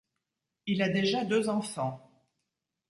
Il a déjà deux enfants.